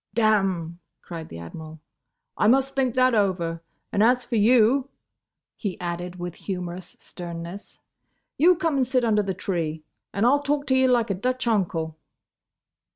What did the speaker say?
"Damme!" cried the Admiral. "I must think that over. And as for you," he added, with humorous sternness, "you come and sit under the tree and I 'll talk to you like a Dutch uncle."